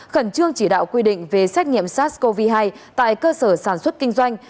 khẩn trương chỉ đạo quy định về xét nghiệm sars cov hai tại cơ sở sản xuất kinh doanh